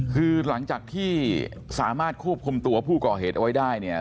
คือหลังจากที่สามารถควบคุมตัวผู้ก่อเหตุเอาไว้ได้เนี่ย